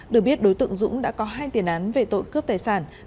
được biết đối tượng dũng đã có hai tiền án về tội cướp tài sản